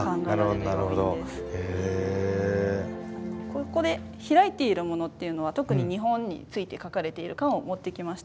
ここで開いているものっていうのは特に日本について書かれている巻を持ってきました。